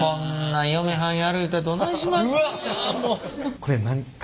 これ何か。